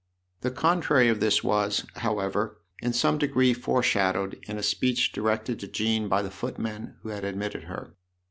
The contrary of this was, however, in some degree foreshadowed in a speech directed to Jean by the footman who had admitted her.